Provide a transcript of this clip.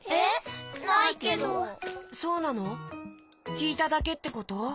きいただけってこと？